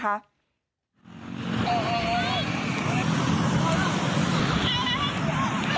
ครับ